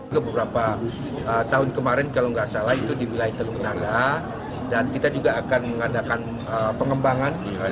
ke beberapa tahun kemarin kalau nggak salah itu di wilayah teluk naga dan kita juga akan mengadakan pengembangan